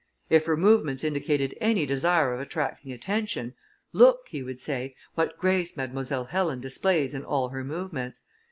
If her movements indicated any desire of attracting attention, "Look!" he would say, "what grace Mademoiselle Helen displays in all her movements."